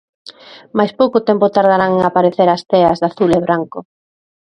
Mais pouco tempo tardarán en aparecer as teas de azul e branco.